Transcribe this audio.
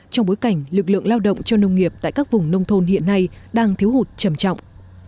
trong bối cảnh lực lượng lao động cho nông nghiệp tại các vùng nông thôn hiện nay đang thiếu hụt trầm trọng